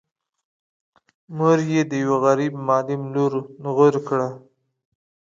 مور یې د یوه غريب معلم لور نږور کړه.